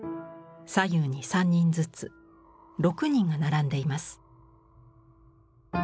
左右に３人ずつ６人が並んでいます。